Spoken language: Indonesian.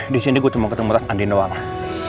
disini gue cuma ketemu tas andi doang